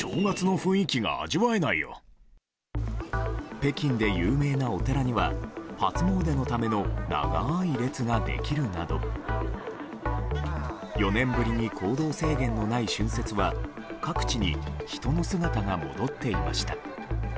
北京で有名なお寺には初詣のための長い列ができるなど４年ぶりに行動制限のない春節は各地に人の姿が戻っていました。